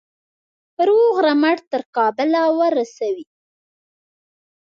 روغ رمټ تر کابله ورسوي.